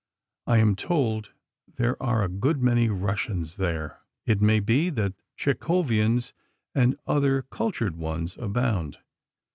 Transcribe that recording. I am told there are a good many Russians there—it may be that Chekhovians and other cultured ones abound.